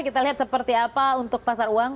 kita lihat seperti apa untuk pasar uang